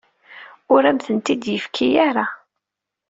Ur am-tent-id-yefki ara.